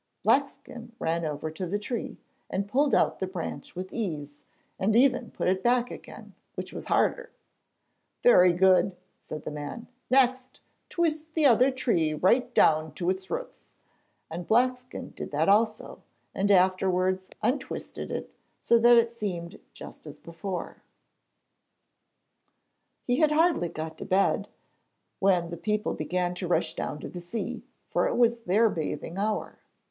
Blackskin ran over to the tree, and pulled out the branch with ease, and even put it back again, which was harder. 'Very good,' said the man, 'Next, twist that other tree right down to its roots,' and Blackskin did that also, and afterwards untwisted it so that it seemed just as before. [Illustration: I AM STRENGTH SAID HE, & I AM GOING TO HELP YOU.] He had hardly got to bed, when the people began to run down to the sea, for it was their bathing hour.